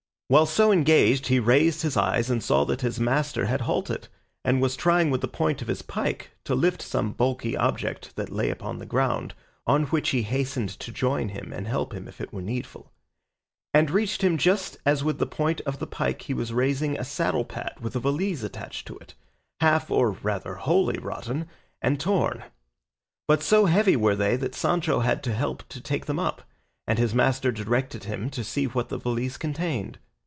While so engaged he raised his eyes and saw that his master had halted, and was trying with the point of his pike to lift some bulky object that lay upon the ground, on which he hastened to join him and help him if it were needful, and reached him just as with the point of the pike he was raising a saddle pad with a valise attached to it, half or rather wholly rotten and torn; but so heavy were they that Sancho had to help to take them up, and his master directed him to see what the valise contained.